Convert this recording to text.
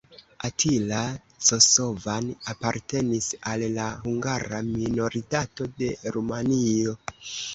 Attila Cosovan apartenis al la hungara minoritato de Rumanio.